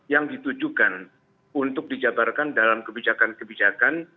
yang ditujukan untuk dijabarkan dalam kebijakan kebijakan